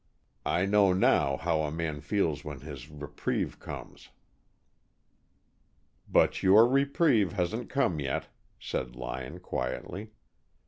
I know now how a man feels when his reprieve comes." "But your reprieve hasn't come yet," said Lyon quietly.